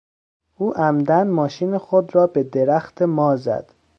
او عمدا ماشین خود را به درخت ما زد.